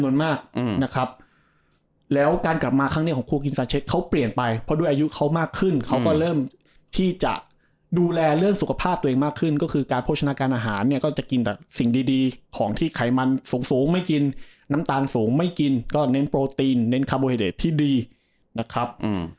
นะครับแล้วการกลับมาครั้งนี้ของครูกินซาเช็คเขาเปลี่ยนไปเพราะด้วยอายุเขามากขึ้นเขาก็เริ่มที่จะดูแลเรื่องสุขภาพตัวเองมากขึ้นก็คือการโภชนาการอาหารเนี่ยก็จะกินแต่สิ่งดีดีของที่ไขมันสูงสูงไม่กินน้ำตาลสูงไม่กินก็เน้นโปรตีนเน้นคาร์โบไฮเดทที่ดีนะครับ